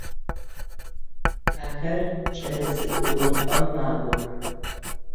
Ахэр кӏэлэцӏыкӏу ӏыгъыпӏэм макӏох.